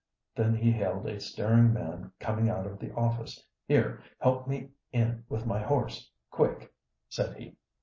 Then he hailed a staring man coming out of the office. "Here, help me in with my horse, quick!" said he.